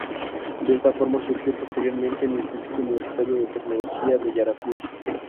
De esta forma surgió posteriormente el instituto Universitario de Tecnología de Yaracuy.